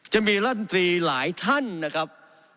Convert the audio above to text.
จะมีรัฐมนตรีหลายท่านนะครับ